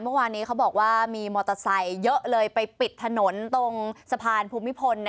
เมื่อวานนี้เขาบอกว่ามีมอเตอร์ไซค์เยอะเลยไปปิดถนนตรงสะพานภูมิพล